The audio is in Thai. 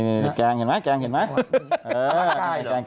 นี่แกงเห็นมั้ย